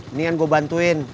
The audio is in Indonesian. ini kan gua bantuin